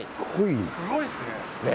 すごいっすね